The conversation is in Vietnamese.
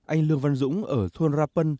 anh lương văn dũng ở thôn rà pân